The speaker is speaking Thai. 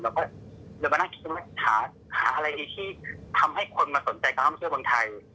เราก็เลยมานั่งคิดหาอะไรที่ทำให้คนมาสนใจการท่องเที่ยวเมืองไทย